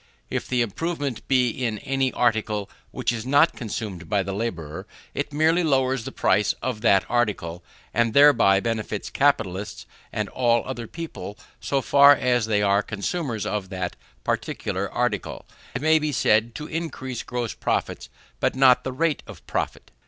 (If the improvement be in any article which is not consumed by the labourer, it merely lowers the price of that article, and thereby benefits capitalists and all other people so far as they are consumers of that particular article, and may be said to increase gross profit, but not the rate of profit.)